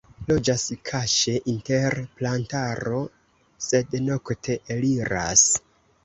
Loĝas kaŝe inter plantaro, sed nokte eliras.